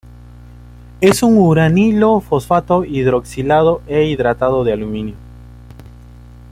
Es un uranilo-fosfato hidroxilado e hidratado de aluminio.